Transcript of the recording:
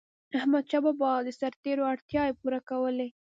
احمدشاه بابا به د سرتيرو اړتیاوي پوره کولي.